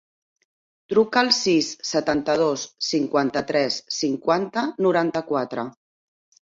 Truca al sis, setanta-dos, cinquanta-tres, cinquanta, noranta-quatre.